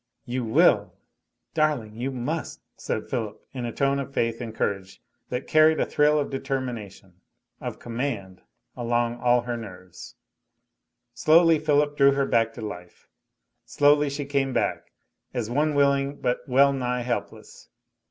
"You will; darling, you must," said Philip in a tone of faith and courage that carried a thrill of determination of command along all her nerves. Slowly Philip drew her back to life. Slowly she came back, as one willing but well nigh helpless.